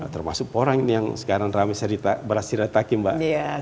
termasuk orang ini yang sekarang ramai beras shirataki mbak